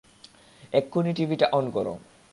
এক্ষুনি টিভিটা অন করো।